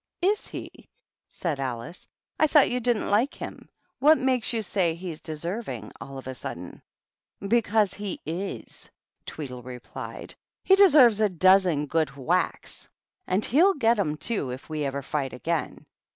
" Is he ?" said Alice. " I thought you didn't like him. What makes you say he's deservingj all of a sudden ?" "Because he i^," Tweedle replied. "He de serves a dozen good whacks ; and he'll get 'em, 24 278 THE TWEEDLES. too, if we ever fight again."